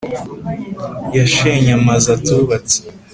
yashenye amazu atubatse